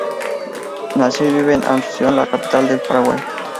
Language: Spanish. Nació y vive en Asunción, la capital del Paraguay.